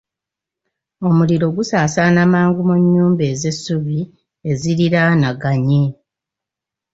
Omuliro gusaasaana mangu mu nnyumba ez'essubi eziriraanaganye.